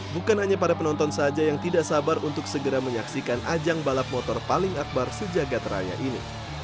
bukan hanya para penonton saja yang tidak sabar untuk segera menyaksikan ajang balap motor paling akbar sejagat raya ini